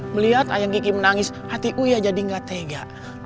melihat ayang kiki menangis hati uya jadi gak tega